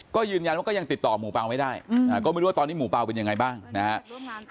ก็ยืนยันว่าก็ยังติดต่อหมู่เปล่าไม่ได้ก็ไม่รู้ว่าตอนนี้หมู่เปล่าเป็นยังไงบ้างนะครับ